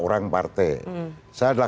orang partai saya adalah